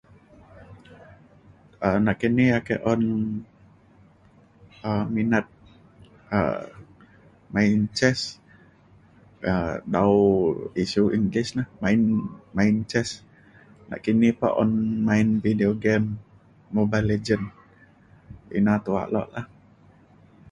um nak kini ake un um minat um main chess um dau isu inggeris na main main chess nakini pe un main bideo game Mobile Legend ina tauk lo' la.